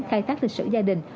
khai tác lịch sử gia đình